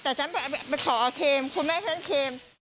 แต่ฉันไปขอเอาเคมคุณแม่ฉันเคม